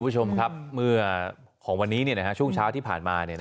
คุณผู้ชมครับเมื่อของวันนี้ช่วงเช้าที่ผ่านมา